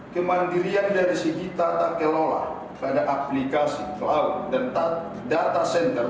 kemandirian dari segi tata kelola pada aplikasi cloud dan data center